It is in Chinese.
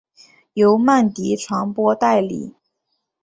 由曼迪传播代理。